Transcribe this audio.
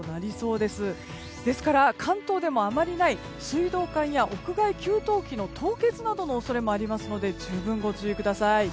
ですから、関東でもあまりない水道管や屋外給湯器の凍結などの恐れもありますので十分ご注意ください。